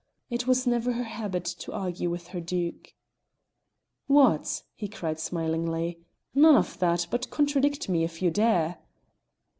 It was never her habit to argue with her Duke. "What!" he cried smilingly, "none of that, but contradict me if you dare."